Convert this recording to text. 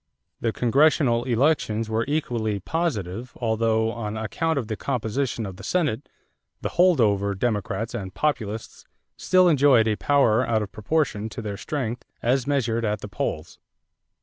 The congressional elections were equally positive although, on account of the composition of the Senate, the "hold over" Democrats and Populists still enjoyed a power out of proportion to their strength as measured at the polls.